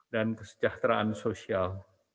dan kesejahteraan sosial